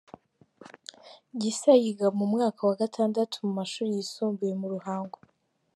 Gisa yiga mu mwaka wa gatandatu mu mashuri yisumbuye mu Ruhango.